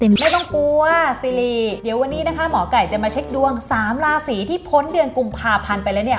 ไม่ต้องกลัวซีรีเดี๋ยววันนี้นะคะหมอไก่จะมาเช็คดวงสามราศีที่พ้นเดือนกุมภาพันธ์ไปแล้วเนี่ย